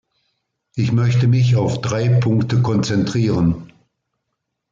Ich möchte mich auf drei Punkte konzentrieren.